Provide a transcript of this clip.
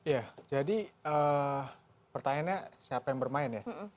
ya jadi pertanyaannya siapa yang bermain ya